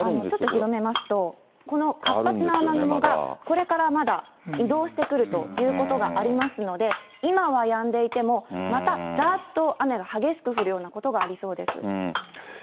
広げてみますと、この活発な雨雲がこれからまた移動してくるということがありますので、今はやんでいても、またざーっと雨が激しく降るようなことがありそうです。